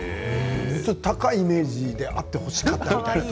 高いイメージであってほしかった。